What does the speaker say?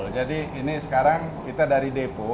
jadi ini sekarang kita dari depo